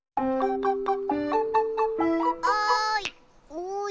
おい！